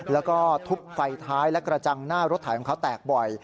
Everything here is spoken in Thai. แล้วก็ทุบไฟท้ายและกระจังหน้ารถถ่ายของเขาแตกบ่อย